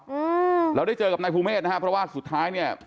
อืมเราได้เจอกับนายภูเมฆนะฮะเพราะว่าสุดท้ายเนี้ย